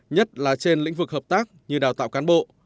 nhất là trên lĩnh vực hợp tác như đào tạo cán bộ